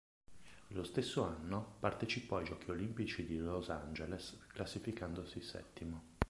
Lo stesso anno partecipò ai Giochi olimpici di Los Angeles classificandosi settimo.